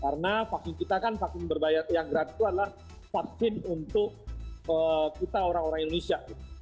karena vaksin kita kan vaksin berbayar yang gratis itu adalah vaksin untuk kita orang orang indonesia